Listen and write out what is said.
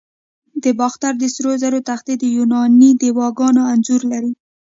د باختر د سرو زرو تختې د یوناني دیوگانو انځورونه لري